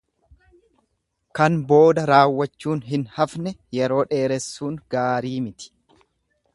Kan booda raawwachuun hin hafne yeroo dheeressuun gaarii miti.